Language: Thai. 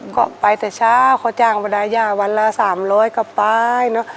ก็ไปแต่เช้าเขาจ้างมาได้ย่าวันละสามร้อยก็ไปเนอะ